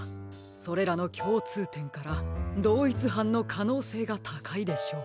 それらのきょうつうてんからどういつはんのかのうせいがたかいでしょう。